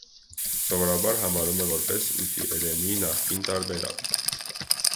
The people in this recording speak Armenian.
Սովորաբար համարում է որպես ուտիերենի նախկին տարբերակ։